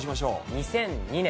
２００２年。